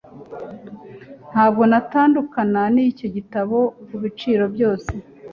Ntabwo natandukana nicyo gitabo kubiciro byose